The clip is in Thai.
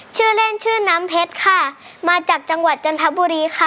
ชื่อเล่นชื่อน้ำเพชรค่ะมาจากจังหวัดจันทบุรีค่ะ